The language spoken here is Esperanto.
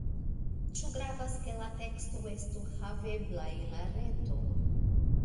Ĉu gravas, ke la teksto estu havebla en la reto?